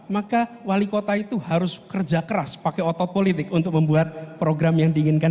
maka wali kota itu harus kerja keras pakai otot politik untuk membuat program yang diinginkan